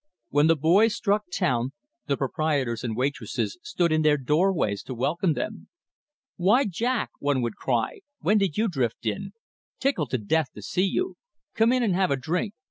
When the boys struck town, the proprietors and waitresses stood in their doorways to welcome them. "Why, Jack!" one would cry, "when did you drift in? Tickled to death to see you! Come in an' have a drink.